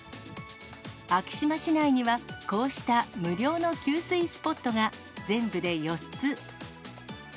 昭島市内にはこうした無料の給水スポットが全部で４つ。